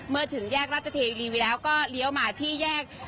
ถึงแยกราชเทวีแล้วก็เลี้ยวมาที่แยก